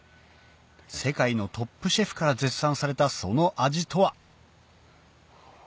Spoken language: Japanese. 世界のトップシェフから絶賛されたその味とは？